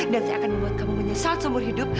dan saya akan membuat kamu menyesal seumur hidup